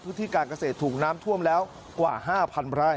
พื้นที่การเกษตรถูกน้ำท่วมแล้วกว่า๕๐๐ไร่